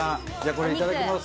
これいただきます